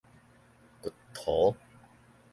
掘塗